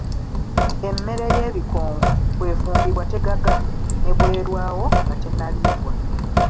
Emmere ye bikongo bwefumbibwa tegaga ne bwerwawo nga tennaliibwa.